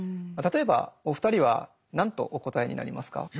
例えばお二人は何とお答えになりますか？